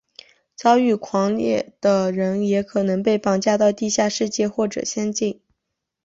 遭遇狂猎的人也可能被绑架到地下世界或者仙境。